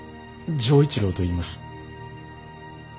錠一郎といいます。